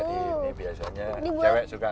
ini biasanya cewek suka